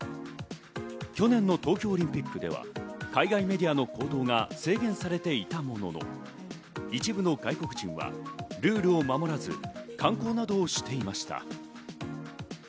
去年の東京オリンピックでは海外メディアの行動が制限されていたものの、一部の外国人はルールを守らず観光などもしていました。